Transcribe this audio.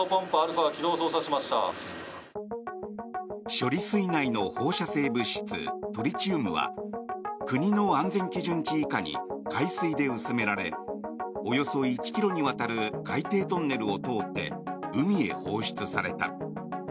処理水内の放射性物質トリチウムは国の安全基準値以下に海水で薄められおよそ１ｋｍにわたる海底トンネルを通って海へ放出された。